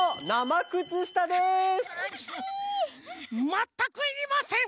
まったくいりません。